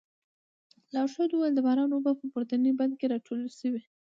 لارښود وویل چې د باران اوبه په پورتني بند کې راټولې شوې.